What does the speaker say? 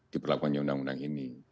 diperlakunya undang undang ini